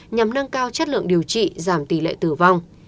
nhằm nâng cao chất lượng điều trị giảm tỷ lệ tử vong